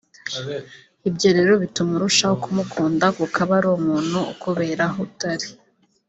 ibyo rero bituma urushaho kumukunda kuko aba ari umuntu ukubera aho utari